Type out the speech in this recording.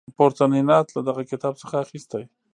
پورتنی نعت له دغه کتاب څخه اخیستی.